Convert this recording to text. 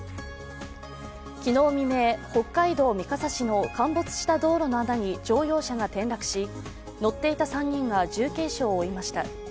昨日未明、北海道三笠市の陥没した道路の穴に乗用車が転落し乗っていた３人が重軽傷を負いました。